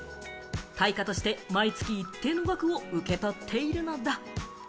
対価として毎月一定の額を受け取っているのだ。